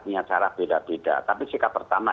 punya cara beda beda tapi sikap pertama